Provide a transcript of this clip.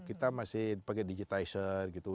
kita masih pakai digital gitu